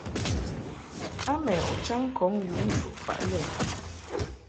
A mɛ u chaŋ ŋkɔŋ yu nchu faʼ lɛ.